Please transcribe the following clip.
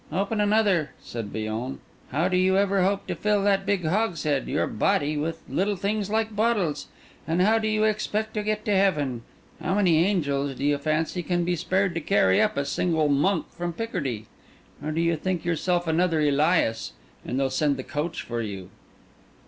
"Open another," said Villon. "How do you ever hope to fill that big hogshead, your body, with little things like bottles? And how do you expect to get to heaven? How many angels, do you fancy, can be spared to carry up a single monk from Picardy? Or do you think yourself another Elias—and they'll send the coach for you?"